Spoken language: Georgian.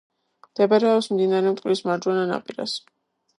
მდებარეობს მდინარე მტკვრის მარჯვენა ნაპირას.